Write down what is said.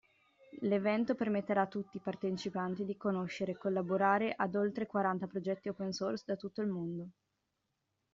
L'evento permetterà a tutti partecipanti di conoscere e collaborare ad oltre quaranta progetti opensource da tutto il mondo.